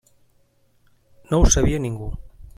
No ho sabia ningú.